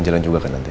jalan juga kan nanti